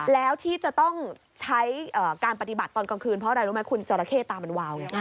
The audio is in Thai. แล้วที่จะต้องใช้การปฏิบัติตอนกลางคืนเพราะอะไรรู้ไหมคุณจราเข้ตามันวาวไง